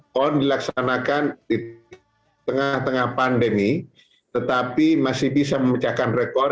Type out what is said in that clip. pon dilaksanakan di tengah tengah pandemi tetapi masih bisa memecahkan rekor